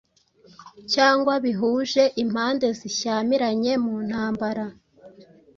cyangwa bihuje impande zishyamiranye mu ntambara,